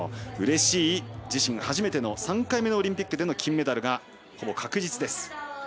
うれしい、自身初めての３回目のオリンピックでの金メダルがほぼ確実です。